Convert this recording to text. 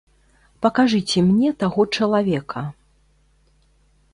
Пакажыце мне таго чалавека.